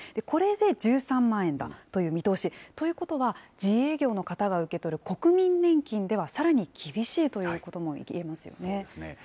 これで１３万円だという見通し、ということは、自営業の方が受け取る国民年金では、さらに厳しいということも言えますよね。